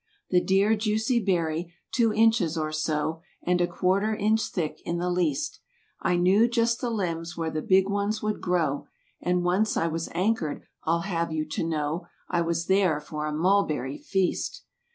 The dear juicy berry! Two inches or so. And a quarter inch thick in the least ; I knew just the limbs where the big ones would grow. And once I was anchored. I'll have you to know, I was there for a mulberry feast.